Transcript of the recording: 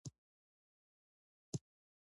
کېنه ټوپک راکړه.